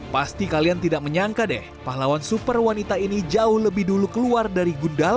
pasti kalian tidak menyangka deh pahlawan super wanita ini jauh lebih dulu keluar dari gundala